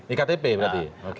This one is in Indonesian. iktp berarti oke